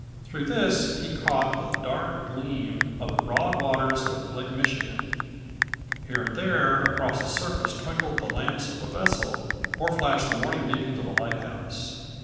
Through this he caught the dark gleam of the broad waters of Lake Michigan. Here and there across the surface twinkled the10 lamps of a vessel, or flashed the warning beacon of a lighthouse.